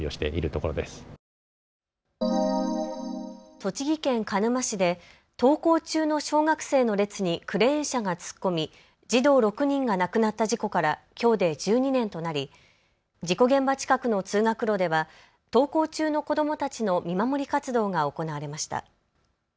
栃木県鹿沼市で登校中の小学生の列にクレーン車が突っ込み児童６人が亡くなった事故からきょうで１２年となり事故現場近くの通学路では登校中の子どもたちの見守り活動が行われました。